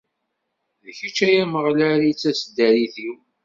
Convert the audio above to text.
D kečč, ay Ameɣlal, i d taseddarit-iw.